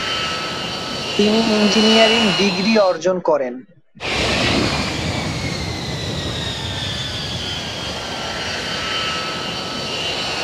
তিনি engineering degree অর্জন করেন।